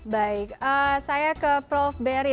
baik saya ke prof berry